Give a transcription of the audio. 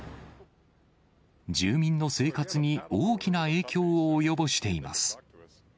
住民の生活に大きな影響を及ぼしています。